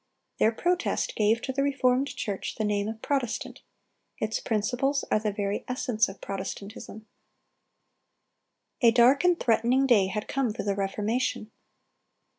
Their Protest gave to the reformed church the name of Protestant; its principles are "the very essence of Protestantism."(283) A dark and threatening day had come for the Reformation.